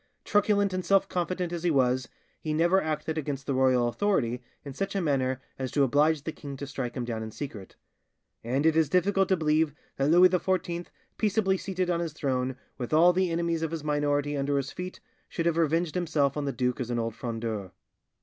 Truculent and self confident as he was, he never acted against the royal authority in such a manner as to oblige the king to strike him down in secret; and it is difficult to believe that Louis XIV, peaceably seated on his throne, with all the enemies of his minority under his feet, should have revenged himself on the duke as an old Frondeur.